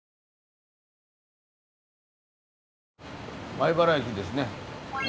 米原駅ですね。